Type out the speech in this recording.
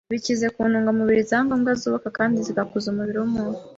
bikize ku ntungamubiri za ngombwa zubaka kandi zigakuza umubiri w’umuntu.